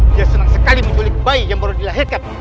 dia senang sekali menculik bayi yang baru dilahirkan